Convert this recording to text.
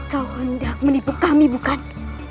kau hendak menipu kami bukan